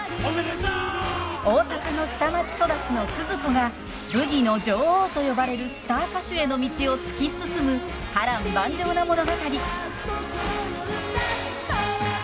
大阪の下町育ちのスズ子がブギの女王と呼ばれるスター歌手への道を突き進む波乱万丈な物語。へいっ！